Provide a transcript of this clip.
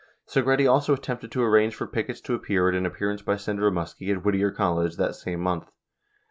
3 Segretti also attempted to arrange for pickets to appear at an appearance by Senator Muskie at Whittier College that same month.